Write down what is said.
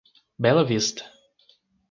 Bela Vista